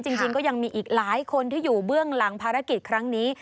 จริงก็ยังมีอีกหลายคนที่อยู่เบื้องหลังภารกิจครั้งนี้